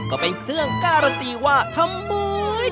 ก็เป็นเครื่องการันตีว่าทำไม